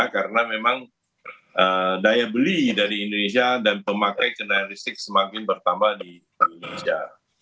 karena memang daya beli dari indonesia dan pemakai kendaraan listrik semakin bertambah di indonesia